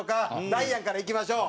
ダイアンからいきましょう。